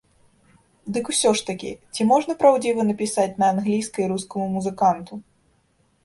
Дык усё ж такі, ці можна праўдзіва напісаць на англійскай рускаму музыканту?